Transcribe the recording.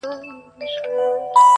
• دا مناففت پرېږده کنې نو دوږخي به سي,